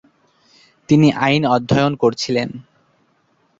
তিনি আইন অধ্যয়ন করছিলেন।